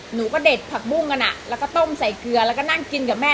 หนูก็เด็ดผักบุ้งกันแล้วก็ต้มใส่เกลือแล้วก็นั่งกินกับแม่